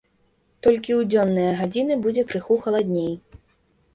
Толькі ў дзённыя гадзіны будзе крыху халадней.